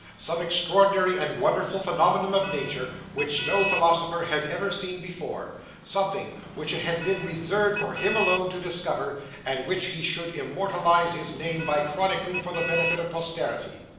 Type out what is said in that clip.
Some extraordinary and wonderful phenomenon of nature, which no philosopher had ever seen before; something which it had been reserved for him alone to discover, and which he should immortalise his name by chronicling for the benefit of posterity.